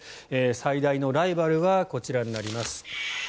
最大のライバルはこちらになります。